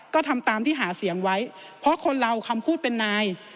ก็ทำตามที่หาเสียงไว้เพราะคนเราคำพูดเป็นนาย